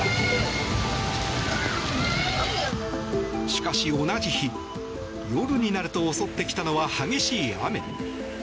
しかし同じ日、夜になると襲ってきたのは激しい雨。